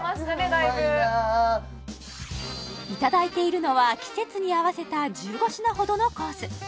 だいぶいただいているのは季節に合わせた１５品ほどのコース